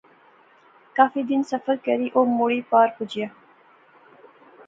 کافی دن سفر کری او مڑی پار پجیا